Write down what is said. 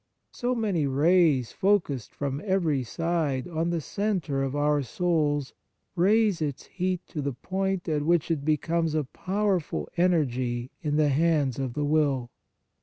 So many rays focussed from every side on the centre of our souls raise its heat to the point at which it becomes a powerful energy in the hands of the will.